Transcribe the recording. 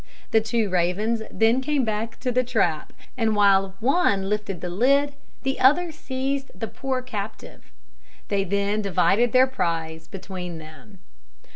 The two ravens then came back to the trap, and while one lifted the lid, the other seized the poor captive. They then divided their prize between them.